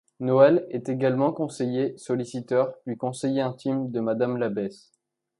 Noël est également conseiller-solliciteur puis conseiller intime de Madame l'Abbesse.